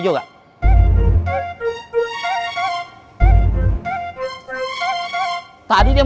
coba awak disturubs nih